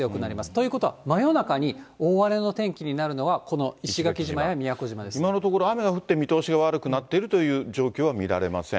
ということは、真夜中に大荒れの天気になるのは、今のところ、雨が降って見通しが悪くなっているという状況は見られません。